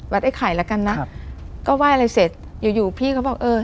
ไอ้ไข่แล้วกันนะครับก็ไหว้อะไรเสร็จอยู่อยู่พี่เขาบอกเออ